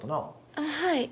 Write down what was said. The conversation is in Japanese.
あっはい。